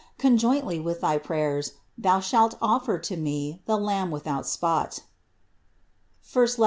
Conjointly with thy prayers thou shalt offer to Me the Lamb without spot (I Pet.